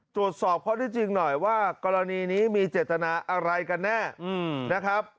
ตรวจสอบข้อที่จริงหน่อยว่ากรณีนี้มีเจตนาอะไรกันแน่นะครับ